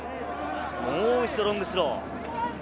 もう一度ロングスロー。